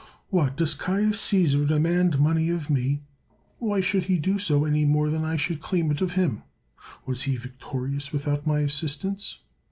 What, does Caius Caesar demand money of me? Why should he do so, any more than I should claim it of him ? Was he victorious without my assistance